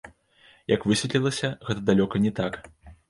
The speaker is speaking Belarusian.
Як высветлілася, гэта далёка не так.